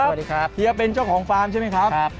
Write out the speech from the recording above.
สวัสดีครับเฮียเป็นเจ้าของฟาร์มใช่ไหมครับ